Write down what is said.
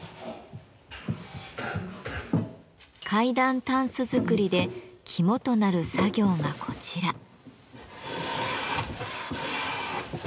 階段たんす作りで肝となる作業がこちら。